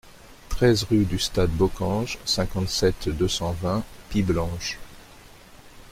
treize rue du Stade Bockange, cinquante-sept, deux cent vingt, Piblange